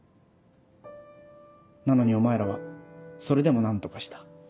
なのにお前らはそれでも何とかした。